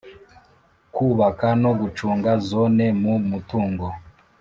kubaka no gucunga Zone mu mutungo